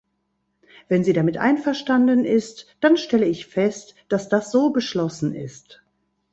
Wenn Sie damit einverstanden ist, dann stelle ich fest, dass das so beschlossen ist.